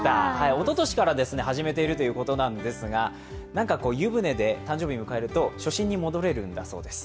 おととしから始めているということなんですが湯船で誕生日を迎えると初心に戻れるんだそうです。